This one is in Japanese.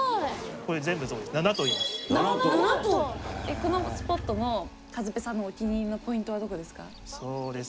このスポットのかずぺさんのお気に入りのポイントはどこですか？